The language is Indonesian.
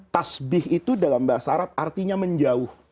tasbih itu dalam bahasa inggris itu adalah